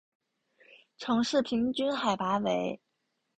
城市平均海拔为。